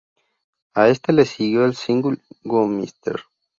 A este le siguió el single "Go Mr.